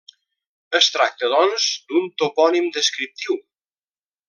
Es tracta, doncs, d'un topònim descriptiu.